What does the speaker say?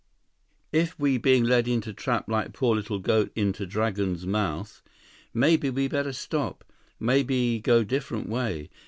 "If we being led into trap like poor little goat into dragon's mouth, maybe we better stop. Maybe go different way.